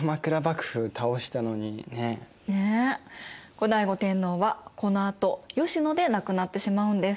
後醍醐天皇はこのあと吉野で亡くなってしまうんです。